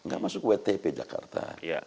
gak masuk wtp jakarta